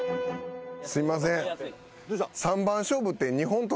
すいません。